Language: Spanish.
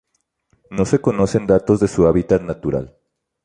No se conocen datos de su hábitat natural.